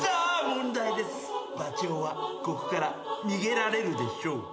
男はここから逃げられるでしょうか？